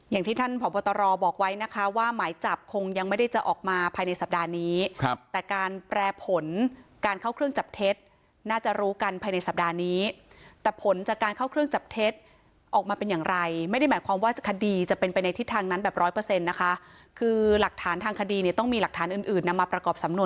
อย่างที่ท่านผอบตรบอกไว้นะคะว่าหมายจับคงยังไม่ได้จะออกมาภายในสัปดาห์นี้ครับแต่การแปรผลการเข้าเครื่องจับเท็จน่าจะรู้กันภายในสัปดาห์นี้แต่ผลจากการเข้าเครื่องจับเท็จออกมาเป็นอย่างไรไม่ได้หมายความว่าคดีจะเป็นไปในทิศทางนั้นแบบร้อยเปอร์เซ็นต์นะคะคือหลักฐานทางคดีเนี่ยต้องมีหลักฐานอื่นอื่นนำมาประกอบสำนวน